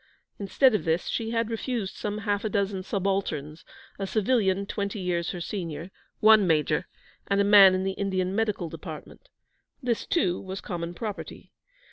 Instead of this, she had refused some half a dozen subalterns, a civilian twenty years her senior, one major, and a man in the Indian Medical Department. This, too, was common property.